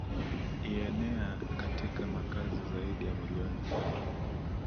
ienea katika makazi zaidi ya milioni tatu